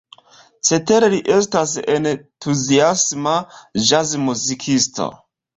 Cetere li estas entuziasma ĵaz-muzikisto.